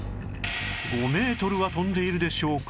５メートルは跳んでいるでしょうか